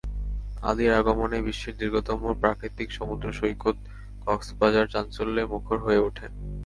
আলীর আগমনে বিশ্বের দীর্ঘতম প্রাকৃতিক সমুদ্রসৈকত কক্সবাজার চাঞ্চল্যে মুখর হয়ে ওঠে।